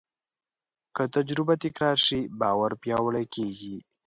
که تجربه تکرار شي، باور پیاوړی کېږي.